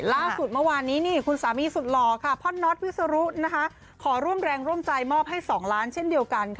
ล่าสุดเมื่อวานนี้คุณสามีสุดหล่อค่ะพ่อน็อตวิสรุขอร่วมแรงร่วมใจมอบให้๒ล้านเช่นเดียวกัน